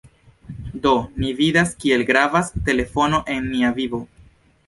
Do, ni vidas, kiel gravas telefono en nia vivo!